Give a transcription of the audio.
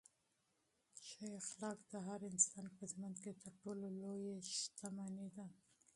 نېک اخلاق د هر انسان په ژوند کې تر ټولو لویه شتمني ده.